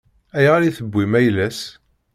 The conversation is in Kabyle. Ayɣer i tewwim ayla-s?